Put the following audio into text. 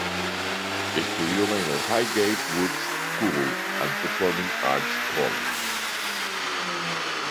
Estudió en el Highgate Wood School and Performing Arts College.